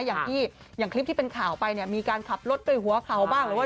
อย่างที่เป็นข่าวไปเนี่ยมีการขับรถไปหัวเคาร์บ้าง